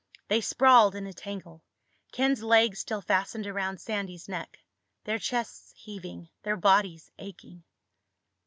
They sprawled in a tangle, Ken's legs still fastened around Sandy's neck, their chests heaving, their bodies aching.